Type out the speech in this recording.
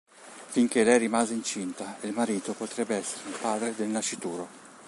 Finché lei rimane incinta e il marito potrebbe essere il padre del nascituro.